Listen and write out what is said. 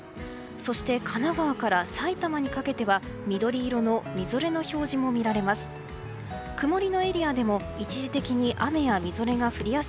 そして神奈川から埼玉にかけては緑色のみぞれの表示も見られます。